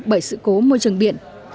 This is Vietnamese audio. bởi sự cố môi trường biển